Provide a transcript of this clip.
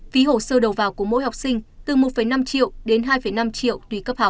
phí hồ sơ đầu vào của mỗi học sinh từ một năm triệu đến hai năm triệu tùy cấp học